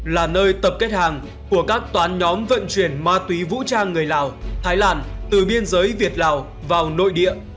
là nơi tập kết hàng của các toán nhóm vận chuyển ma túy vũ trang người lào thái lan từ biên giới việt lào vào nội địa